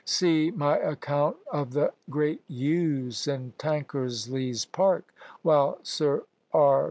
See my account of the great yews in Tankersley's park, while Sir R.